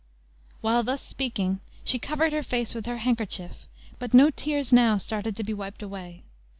While thus speaking, she covered her face with her handkerchief, but no tears now started to be wiped away.